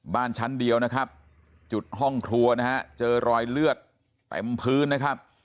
บ้านชั้นเดียวนะครับจุดห้องครัวนะฮะเจอรอยเลือดเต็มพื้นนะครับ